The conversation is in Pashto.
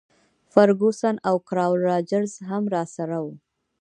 فرګوسن او کراول راجرز هم راسره وو.